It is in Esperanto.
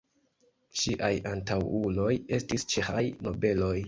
Ŝiaj antaŭuloj estis ĉeĥaj nobeloj.